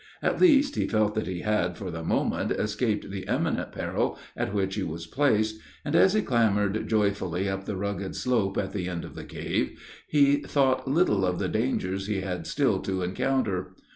At least, he felt that he had for the moment escaped the imminent peril in which he was placed, and, as he clambered joyfully up the rugged slope at the end of the cave, he thought little of the dangers he had still to encounter.